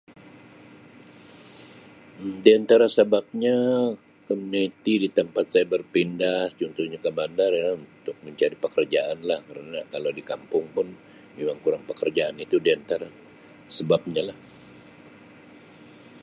Um Dia antara sebabnya komuniti di tempat saya berpindah contohnya ke bandar ialah untuk mencari pekerjaan lah kerana kalau di kampung pun memang kurang pekerjaan itu di antara sebabnya lah.